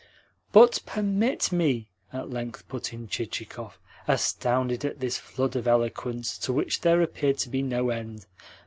"But permit me," at length put in Chichikov, astounded at this flood of eloquence to which there appeared to be no end.